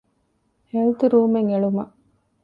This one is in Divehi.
ހެލްތުރޫމެއް އެޅުމަށް